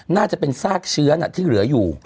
น่าจะเป็นซากเชื้อที่เหลืออยู่